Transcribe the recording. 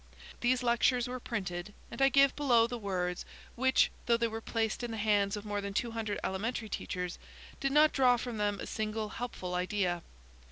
These lectures were printed, and I give below the words which, though they were placed in the hands of more than 200 elementary teachers, did not draw from them a single helpful idea.